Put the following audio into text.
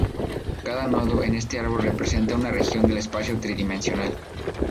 Cada nodo en este árbol representa una región del espacio tridimensional.